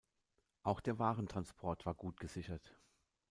Auch der Warentransport war gut gesichert.